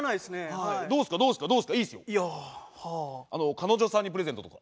彼女さんにプレゼントとか。